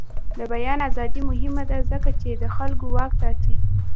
د بیان ازادي مهمه ده ځکه چې د خلکو واک ساتي.